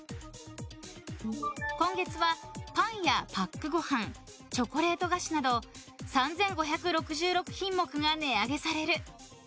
今月は、パンやパックご飯チョコレート菓子など３５６６品目が値上げされる。